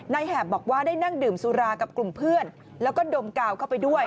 แหบบอกว่าได้นั่งดื่มสุรากับกลุ่มเพื่อนแล้วก็ดมกาวเข้าไปด้วย